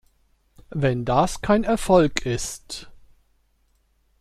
Wenn das kein Erfolg ist.